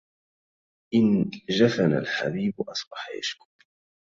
إن جفن الحبيب أصبح يشكو